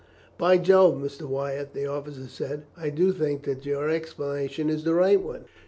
"By Jove! Mr. Wyatt," the officer said, "I do think that your explanation is the right one.